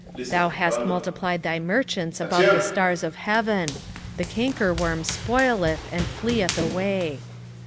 3:16 Thou hast multiplied thy merchants above the stars of heaven: the cankerworm spoileth, and fleeth away.